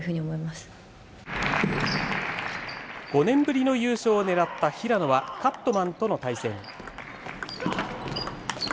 ５年ぶりの優勝を狙った平野は、カットマンとの対戦。